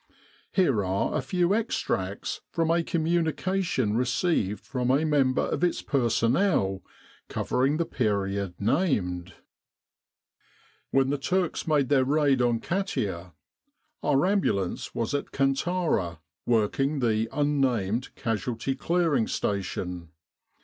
Here are a few extracts from a communication received from a member of its personnel, covering the period named : "When the Turks made their raid on Katia, our Ambulance was at Kantara working the Casualty Clearing Station.